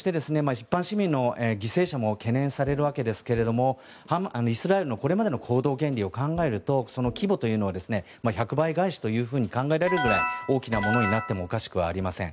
一般市民の犠牲者も懸念されるわけですけれどもイスラエルのこれまでの行動原理を考えるとその規模というのはですね１００倍返しというふうに考えられるぐらい大きなものになってもおかしくありません。